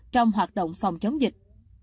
trong hoạt động phòng chống dịch